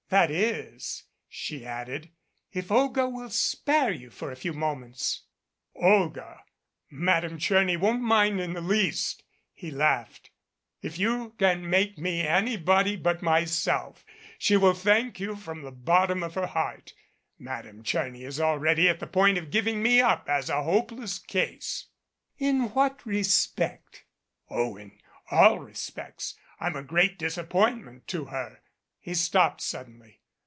That is," she added, "if Olga will spare you for a few moments." "Olga Madame Tcherny won't mind in the least," he 67 MADCAP laughed. "If you can make me anybody but myself, she will thank you from the bottom of her heart. Madame Tcherny is already at the point of giving me up as a hope less case." "In what respect?" "Oh, in all respects. I'm a great disappointment to her " He stopped suddenly.